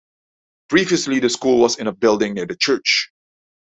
Previously, the school was in a building near the church.